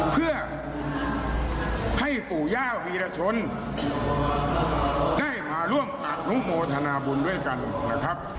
เพื่อให้ปู่ย่าวีรชนได้มาร่วมอนุโมทนาบุญด้วยกันนะครับ